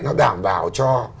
nó đảm bảo cho